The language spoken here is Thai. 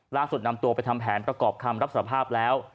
ล่าสุดนำตัวไปทำแผนประกอบคำรับสภาพแล้ว